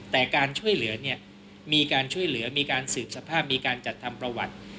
แต่การช่วยเหลือเนี่ยมีการช่วยเหลือมีการสืบสภาพมีการจัดทำประวัติ